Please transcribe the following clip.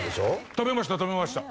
食べました食べました。